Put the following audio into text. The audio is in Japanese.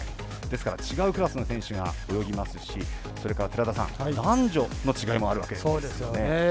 ですから違うクラスの選手が泳ぎますしそれから寺田さん、男女の違いもあるわけなんですよね。